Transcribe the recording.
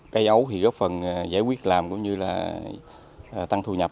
cây ấu thì góp phần giải quyết làm cũng như là tăng thu nhập